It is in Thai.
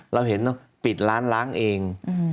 เราเห็นปิดร้านล้างเอง